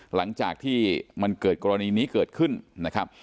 หลังจากที่มันเกิดกรณีนี้เกิดขึ้นนะครับ